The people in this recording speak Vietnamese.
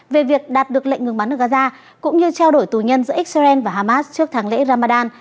về việc đạt được lệnh ngừng bắn ở gaza cũng như trao đổi tù nhân giữa israel và hamas trước tháng lễ ramadan